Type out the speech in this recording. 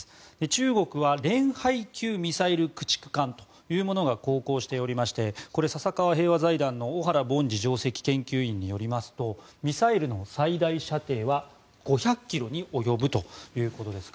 中国は「レンハイ」級ミサイル駆逐艦というものが航行しておりましてこれ、笹川平和財団の小原凡司上席研究員によりますとミサイルの最大射程は５００ｋｍに及ぶということです。